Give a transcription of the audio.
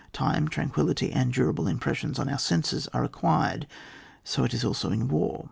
Time, tranquillity and durable impressions on our senses are required. So it is also in war.